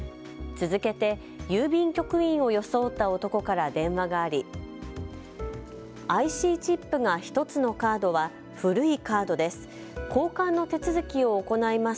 続けて郵便局員を装った男から電話がありＩＣチップが１つのカードは古いカードです。